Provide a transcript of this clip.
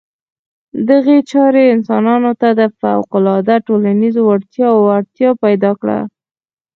دغې چارې انسانانو ته د فوقالعاده ټولنیزو وړتیاوو اړتیا پیدا کړه.